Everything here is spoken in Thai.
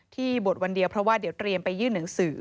บวชวันเดียวเพราะว่าเดี๋ยวเตรียมไปยื่นหนังสือ